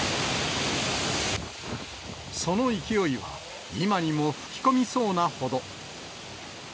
その勢いは、今にも吹き込みそうなほど。